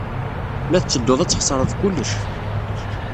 La tetteddud ad txeṣred kullec.